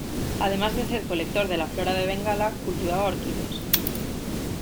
Además de ser colector de la flora de Bengala, cultivaba orquídeas.